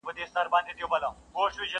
نن به یې لوی ښاخونه!!